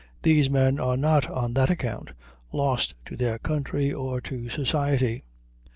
These men are not on that account lost to their country or to society.